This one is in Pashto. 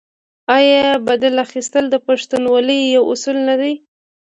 آیا بدل اخیستل د پښتونولۍ یو اصل نه دی؟